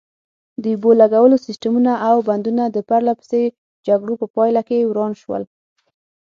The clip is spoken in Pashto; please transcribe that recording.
د اوبو لګولو سیسټمونه او بندونه د پرلپسې جګړو په پایله کې وران شول.